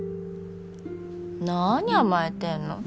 何甘えてるの？